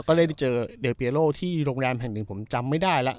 ก็ได้เจอเดียร์เปียโร่ที่โรงแรมแห่งหนึ่งผมจำไม่ได้ล่ะ